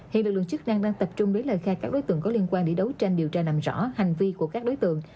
hiện lực lượng chức năng đang tập trung lấy lời khai các đối tượng có liên quan để đấu tranh điều tra làm rõ hành vi của các đối tượng